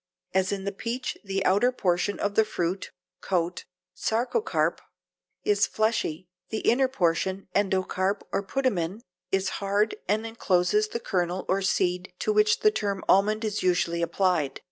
As in the peach the outer portion of the fruit coat (sarcocarp) is fleshy, the inner portion (endocarp or putamen) is hard and encloses the kernel or seed to which the term almond is usually applied.